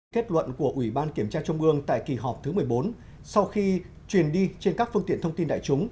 kết luận của ủy ban kiểm tra trung ương tại kỳ họp thứ một mươi bốn sau khi truyền đi trên các phương tiện thông tin đại chúng